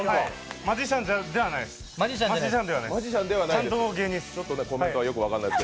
マジシャンではないです。